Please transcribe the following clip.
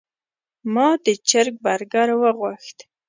ما د چرګ برګر وغوښت.